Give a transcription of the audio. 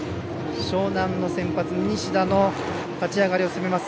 樟南の先発、西田の立ち上がりを攻めます。